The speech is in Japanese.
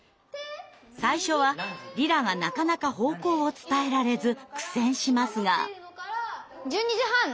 最初はリラがなかなか方向を伝えられず苦戦しますが。